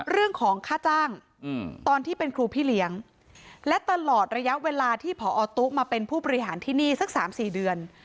เรื่องของค่าจ้างตอนที่เป็นครูพี่เลี้ยงและตลอดระยะเวลาที่ผอตุ๊กมาเป็นผู้บริหารที่นี่สัก๓๔เดือน